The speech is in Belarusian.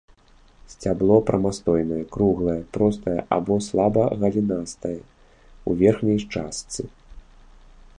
Сцябло прамастойнае, круглае, простае або слаба галінастае ў верхняй частцы.